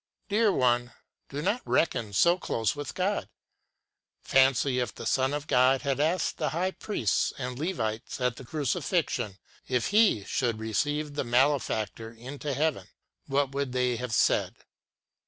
Dear one, do not reckon so close with God. Fancy if the Son of God had asked the high priests and Levites at the crucifixion if He should receive the malefactor into Heaven, what would they have said